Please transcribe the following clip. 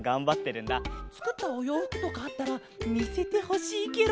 つくったおようふくとかあったらみせてほしいケロ。